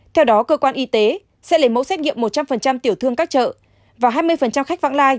theo đó cơ quan y tế sẽ lấy mẫu xét nghiệm một trăm linh tiểu thương các chợ và hai mươi khách vãng lai